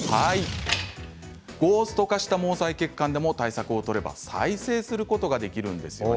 ゴースト化した毛細血管でも対策を取れば再生することができます。